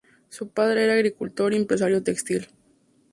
Su padre era agricultor y empresario textil.